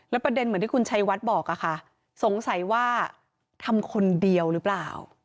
ประเด็นเหมือนที่คุณชัยวัดบอกค่ะสงสัยว่าทำคนเดียวหรือเปล่า